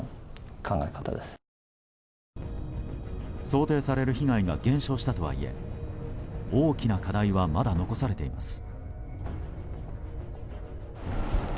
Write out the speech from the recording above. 想定される被害が減少したとはいえ大きな課題はまだ残されています。